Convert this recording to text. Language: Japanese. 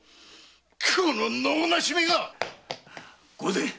この能無しめが‼御前！